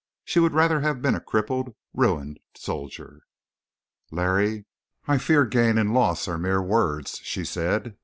She would rather have been a crippled ruined soldier. "Larry, I fear gain and loss are mere words," she said.